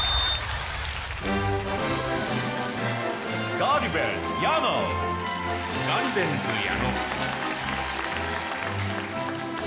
ガリベンズ矢野・